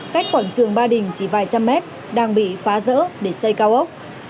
cách quảng trường ba đình chỉ vài trăm mét đang bị phá rỡ để xây cao ốc